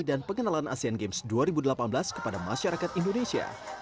dan pengenalan asian games dua ribu delapan belas kepada masyarakat indonesia